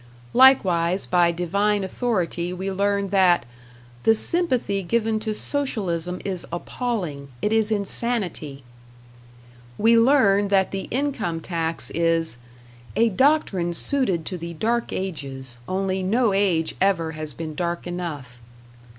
Likewise by divine authority we learn that "the sympathy given to Socialism is appalling. It is insanity." We learn that the income tax is "a doctrine suited to the dark ages, only no age ever has been dark enough."